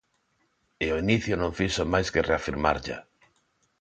E o inicio non fixo máis que reafirmarlla.